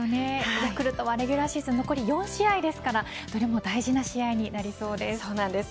ヤクルトはレギュラーシーズン残り４試合ですからどれも大事な試合になりそうです。